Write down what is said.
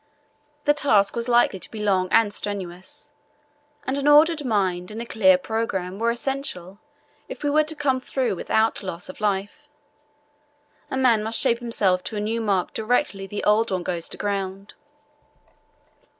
The task was likely to be long and strenuous, and an ordered mind and a clear programme were essential if we were to come through without loss of life. A man must shape himself to a new mark directly the old one goes to ground.